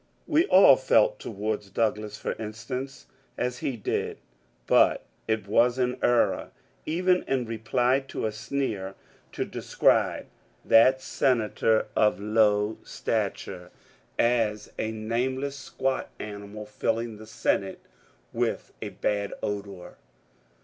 We all felt towards Douglas, for instance, as he did ; but it was an error, even in reply to a sneer, to describe that senator (of 238 MONCURE DANIEL CONWAY low stature) as a nameless squat animal filling the Senate with a bad odour.